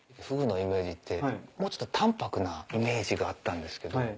フグのイメージってもうちょっと淡泊なイメージがあったんですけど。